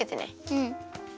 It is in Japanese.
うん。